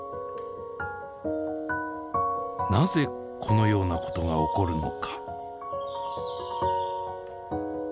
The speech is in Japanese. なぜこのようなことが起こるのか。